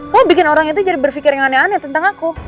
kok bikin orang itu jadi berpikir yang aneh aneh tentang aku